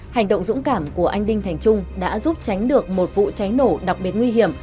hành động dũng cảm của anh đinh thành trung đã giúp tránh được một vụ cháy nổ đặc biệt nguy hiểm